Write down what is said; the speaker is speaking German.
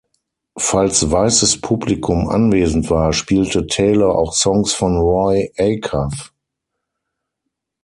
Falls weißes Publikum anwesend war, spielte Taylor auch Songs von Roy Acuff.